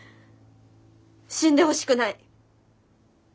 死んでほしくない。